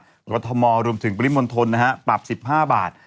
แล้วก็ธมรวมถึงปริมณฑลปรับ๑๕บาท